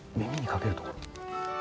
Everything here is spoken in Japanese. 耳にかけるところ？